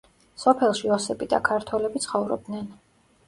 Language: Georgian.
სოფელში ოსები და ქართველები ცხოვრობდნენ.